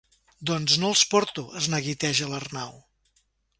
Doncs no els porto —es neguiteja l'Arnau—.